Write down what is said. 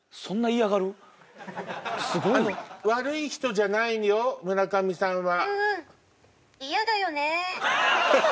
すごい。悪い人じゃないよ村上さんは。